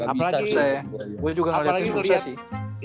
apalagi gue juga ngeliatnya susah sih